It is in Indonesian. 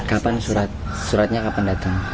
kapan suratnya kapan datang